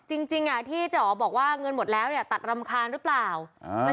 จริงจริงอ่ะที่เจ๊อ๋อบอกว่าเงินหมดแล้วเนี่ยตัดรำคาญหรือเปล่า